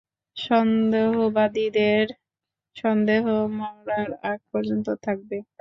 সন্দেহবাদীদের সন্দেহ মরার আগ পর্যন্ত থাকবে!